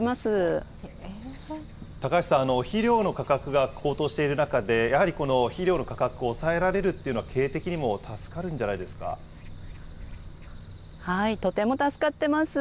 高橋さん、肥料の価格が高騰している中で、やはりこの肥料の価格を抑えられるというのは、経とても助かってます。